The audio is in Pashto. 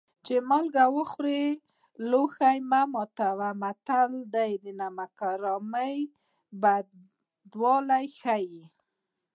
چې مالګه وخورې لوښی مه ماتوه متل د نمک حرامۍ بدوالی ښيي